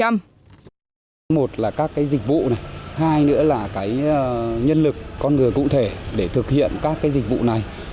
một là các dịch vụ này hai nữa là nhân lực con người cụ thể để thực hiện các dịch vụ này